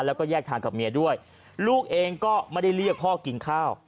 แล้วก็แยกทางกับเมียด้วยลูกเองก็ไม่ได้เรียกพ่อกินข้าว